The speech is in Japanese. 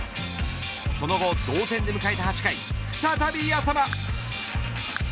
その後、同点で迎えた８回再び淺間。